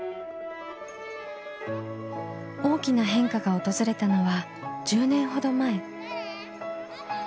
大きな変化が訪れたのは１０年ほど前。